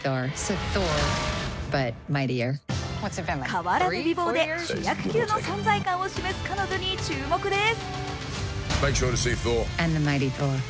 変わらぬ美貌で主役級の存在感を示す彼女に注目です。